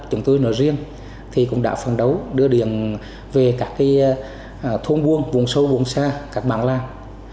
chúng tôi nội riêng thì cũng đã phản đấu đưa điện về các thôn buôn vùng sâu vùng xa các bảng làng